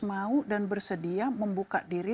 mau dan bersedia membuka diri